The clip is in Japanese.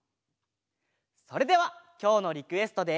それではきょうのリクエストで。